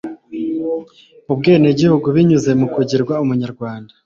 ubwenegihugu binyuze mu kugirwa Umunyarwanda